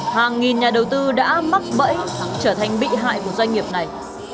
hàng nghìn nhà đầu tư đã mắc bẫy trở thành bị hại của doanh nghiệp này